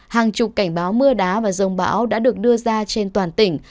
hàng chục cảnh báo mưa đá và rông bão đã được đưa ra trên toàn tỉnh